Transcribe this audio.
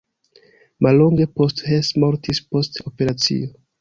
Mallonge post Hess mortis post operacio.